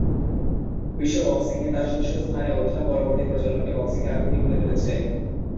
বিশ্ব বক্সিং-এ তার শীর্ষ স্থানে উত্থান পরবর্তী প্রজন্মকে বক্সিং-এ আগ্রহী করে তুলেছে।